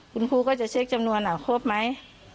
คุณครูก็จะเช็คจำนวนครบไหม